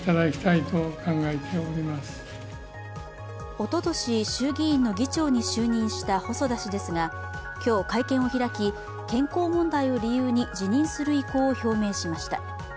おととし衆議院の議長に就任した細田氏ですが今日、会見を開き、健康問題を理由に辞任する意向を表明しました。